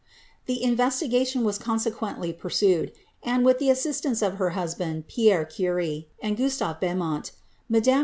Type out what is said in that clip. The investigation was consequently pursued, and, with the assistance of her husband, Pierre Curie, and Gustave Bemont, Mme.